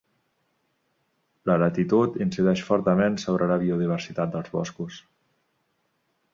La latitud incideix fortament sobre la biodiversitat dels boscos.